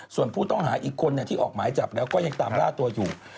ส่วนผู้ต้องหาอีกคนที่ออกหมายจับแล้วก็ยังตามล่าตัวอยู่